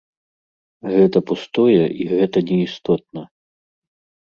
Гэта пустое і гэта неістотна.